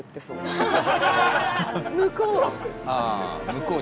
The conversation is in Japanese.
「向こう」。